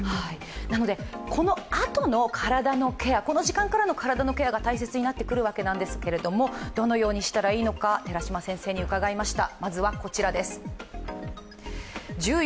なので、このあとの体のケアこの時間からの体のケアが大切になってくるわけですが、どのようにしたらいいのか、寺嶋先生に伺いました。